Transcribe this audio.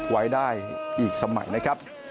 ไว้ได้อีกสมัยนะครับ